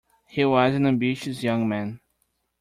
He was an ambitious young man.